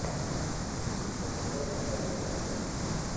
ڪون ڪي آ غلط وات ھي